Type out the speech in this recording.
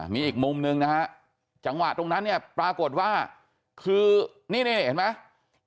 มีอีกมุมหนึ่งนะฮะจังหวะตรงนั้นเนี่ยปรากฏว่าคือนี่เห็นไหม